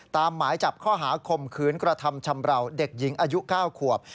หมายจับข้อหาคมคืนกระทำชำราวเด็กหญิงอายุ๙ขวบ